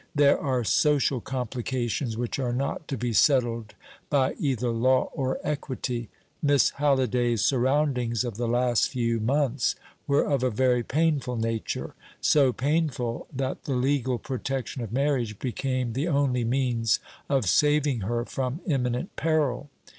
There are social complications which are not to be settled by either law or equity. Miss Halliday's surroundings of the last few months were of a very painful nature; so painful, that the legal protection of marriage became the only means of saving her from imminent peril.